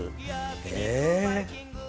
え？